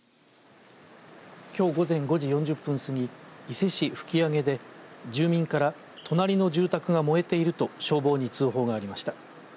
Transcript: きょう午前５時４０分過ぎ伊勢市吹上で、住民から隣の住宅が燃えていると消防に通報がありました。